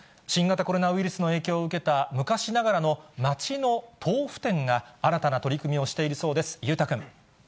新型コロナウイルスの影響を受けた、昔ながらの街の豆腐店が、新たな取り組みをしているそうです。